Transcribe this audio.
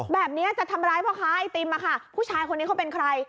แบบนี้จะทำร้ายพ่อค้าไอติมอะค่ะผู้ชายคนนี้เขาเป็นใคร